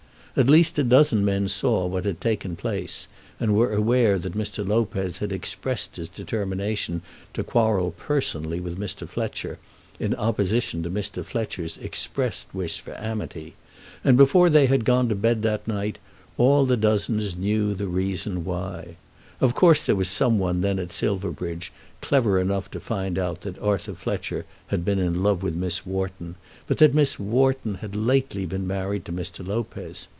At least a dozen men saw what had taken place, and were aware that Mr. Lopez had expressed his determination to quarrel personally with Mr. Fletcher, in opposition to Mr. Fletcher's expressed wish for amity. And before they had gone to bed that night all the dozen knew the reason why. Of course there was some one then at Silverbridge clever enough to find out that Arthur Fletcher had been in love with Miss Wharton, but that Miss Wharton had lately been married to Mr. Lopez.